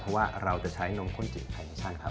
เพราะว่าเราจะใช้นมข้นจืดแฟชั่นครับ